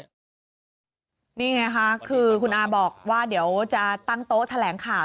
นี่ไงค่ะคือคุณอาบอกว่าเดี๋ยวจะตั้งโต๊ะแถลงข่าว